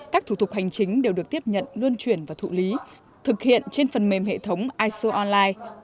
các thủ tục hành chính đều được tiếp nhận luân chuyển và thụ lý thực hiện trên phần mềm hệ thống iso online